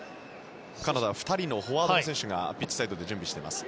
カナダは２人のフォワードの選手が準備しています。